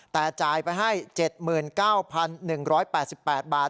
แต่จ่ายไปให้๗๙๑๘๘บาท